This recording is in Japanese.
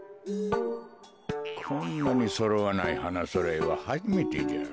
こんなにそろわない花そろえははじめてじゃ。